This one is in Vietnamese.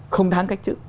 không đáng cách trức